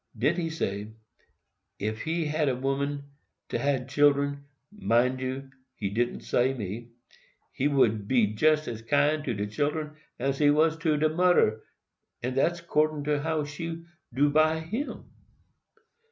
Den he say, 'Ef he had a woman 't had children,'—mind you, he didn't say me,—'he would be jest as kind to de children as he was to de moder, and dat's 'cordin to how she do by him.